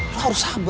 lo harus sabar